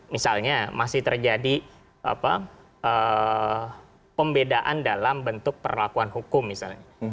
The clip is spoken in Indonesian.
misalnya masih terjadi pembedaan dalam bentuk perlakuan hukum misalnya